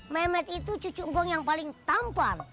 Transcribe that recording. mehmet itu cucu engkong yang paling tampan